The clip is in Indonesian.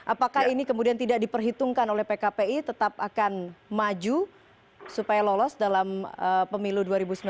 apakah ini kemudian tidak diperhitungkan oleh pkpi tetap akan maju supaya lolos dalam pemilu dua ribu sembilan belas